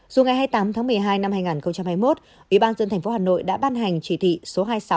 dù ngày hai mươi tám tháng một mươi hai năm hai nghìn hai mươi một ủy ban dân thành phố hà nội đã ban hành chỉ thị số hai mươi sáu